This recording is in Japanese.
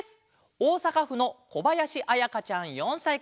おおさかふのこばやしあやかちゃん４さいから。